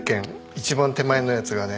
一番手前のやつがね